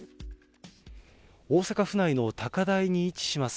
大阪府内の高台に位置します